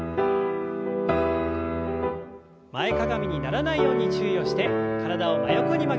前かがみにならないように注意をして体を真横に曲げます。